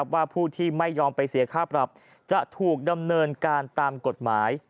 ว่าผู้ที่ไม่ยอมไปเสียค่าปรับจะถูกดำเนินการตามกฎหมาย